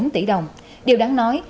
một mươi bốn tỷ đồng điều đáng nói